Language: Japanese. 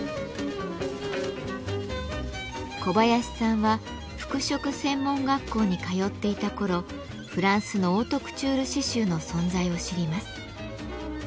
小林さんは服飾専門学校に通っていた頃フランスのオートクチュール刺繍の存在を知ります。